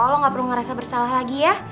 allah gak perlu ngerasa bersalah lagi ya